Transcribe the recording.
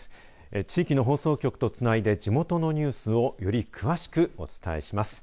地域の放送局とつないで地元のニュースをより詳しくお伝えします。